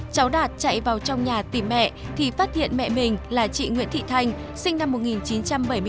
cháu đạt chạy vào trong nhà tìm mẹ thì phát hiện mẹ mình là chị nguyễn thị thanh sinh năm một nghìn chín trăm bảy mươi bốn